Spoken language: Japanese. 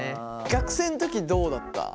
学生の時どうだった？